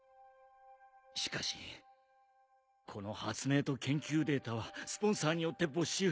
しかしこの発明と研究データはスポンサーによって没収。